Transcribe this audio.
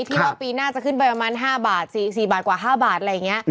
ที่ว่าปีหน้าจะขึ้นไปประมาณ๕บาท๔บาทกว่า๕บาทอะไรอย่างนี้